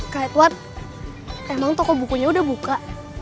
kak edward emang toko bukunya udah buka